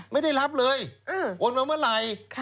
ไม่ได้รับเลยโอนมาเมื่อไหร่